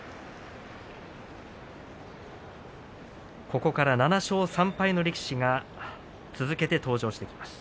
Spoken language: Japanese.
ここから７勝３敗の力士が続けて登場します。